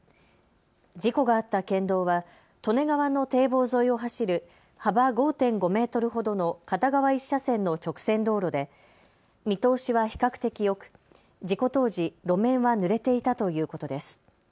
事故があった県道は利根川の堤防沿いを走る幅５．５メートルほどの片側１車線の直線道路で見通しは比較的よく事故当時、路面はぬれていたということです。